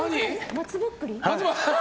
松ぼっくり？